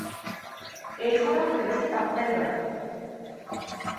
এছাড়াও রয়েছে কাপ্তাই হ্রদ।